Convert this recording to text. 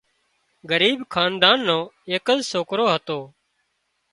ڳريٻ حاندان نو ايڪز سوڪرو هتو